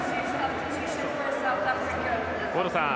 大野さん